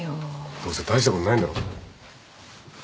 どうせ大したことないんだろ？